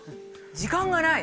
時間がない？